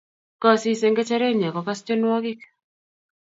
kosis eng' ngecherenyi akokas tienwogik